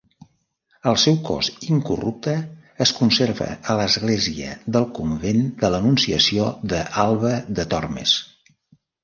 El seu cos incorrupte es conserva a l'església del convent de l'Anunciació d'Alba de Tormes.